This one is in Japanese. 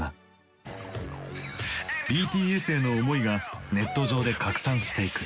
ＢＴＳへの思いがネット上で拡散していく。